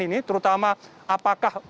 ini terutama apakah